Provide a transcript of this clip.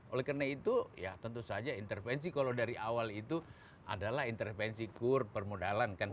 oleh karena itu ya tentu saja intervensi kalau dari awal itu adalah intervensi kur permodalan kan